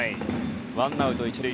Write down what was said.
ワンアウト１塁。